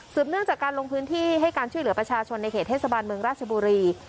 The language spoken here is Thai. เนื่องจากการลงพื้นที่ให้การช่วยเหลือประชาชนในเขตเทศบาลเมืองราชบุรี